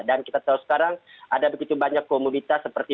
dan kita tahu sekarang ada begitu banyak komunitas seperti